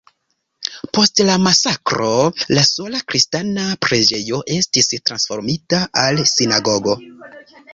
Post la masakro, la sola kristana preĝejo estis transformita al sinagogo.